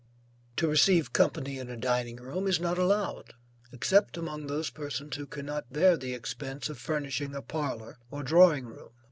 To receive company in a dining room, is not allowed except among those persons who cannot bear the expense of furnishing a parlor or drawing room.